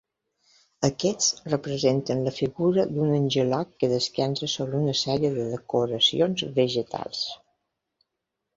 Aquests representen la figura d'un angelot que descansa sobre una sèrie de decoracions vegetals.